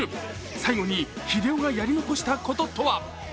最後に日出男がやり残したこととは？